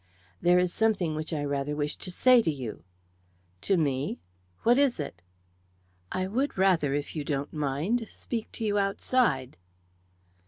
"There is something which I rather wish to say to you." "To me? What is it?" "I would rather, if you don't mind, speak to you outside."